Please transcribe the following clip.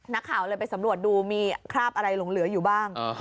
นักข่าวเลยไปสำรวจดูมีคราบอะไรหลงเหลืออยู่บ้าง